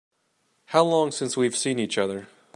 How long since we've seen each other?